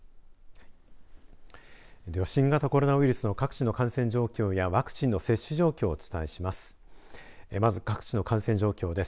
では新型コロナウイルスの各地の感染状況やワクチンの接種状況をお伝えします。